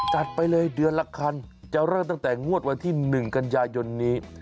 จัดไปเลยเดือนละคันจะเริ่มตั้งแต่งวดวันที่๑กันยายนนี้